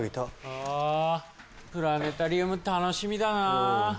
あプラネタリウム楽しみだな！